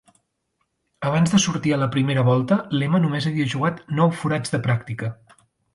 Abans de sortir a la primera volta, Lema només havia jugat nou forats de pràctica.